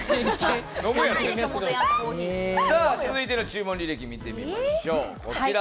続いての注文履歴見てみましょう。